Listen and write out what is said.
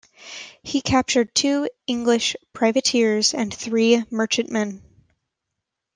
He captured two English privateers and three merchantmen.